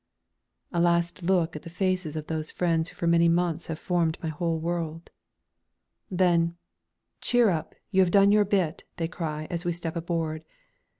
A last look at the faces of those friends who for many months have formed my whole world. Then "Cheer up, you have done your bit," they cry as we step aboard.